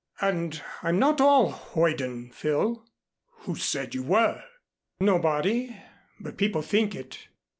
"And I'm not all hoyden, Phil." "Who said you were?" "Nobody but people think it."